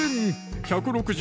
１６０